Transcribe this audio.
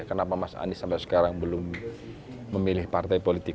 kenapa mas anies sampai sekarang belum memilih partai politik